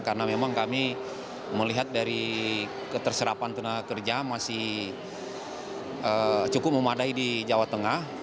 karena memang kami melihat dari keterserapan tenaga kerja masih cukup memadai di jawa tengah